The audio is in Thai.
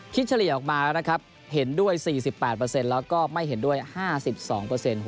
คิดเฉลี่ยออกมานะครับเห็นด้วย๔๘เปอร์เซ็นต์แล้วก็ไม่เห็นด้วย๕๒เปอร์เซ็นต์